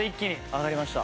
上がりました。